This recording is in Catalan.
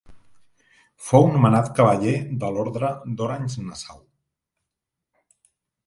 Fou nomenat cavaller de l'Orde d'Orange-Nassau.